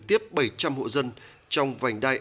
tiếp bảy trăm linh hộ dân trong vành đai